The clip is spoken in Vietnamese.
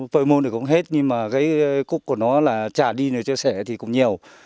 bơ mu này cũng hết nhưng mà cái cúc của nó là chạm đi rồi chứ sẻ thì cũng nhiều